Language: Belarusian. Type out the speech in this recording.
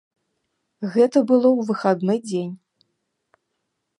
Гэта было ў выхадны дзень.